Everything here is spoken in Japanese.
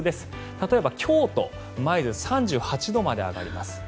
例えば京都の舞鶴３８度まで上がります。